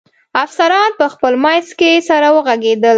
افسران په خپل منځ کې سره و غږېدل.